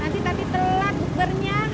nanti tadi telat ubernya